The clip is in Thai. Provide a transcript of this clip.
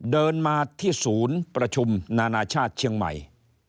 เดินมาที่ศูนย์ประชุมนานาชาติเชียงใหม่